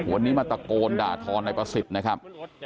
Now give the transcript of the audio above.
วันนี้มาตะโกนด่าทอนายประสิทธิ์นะครับ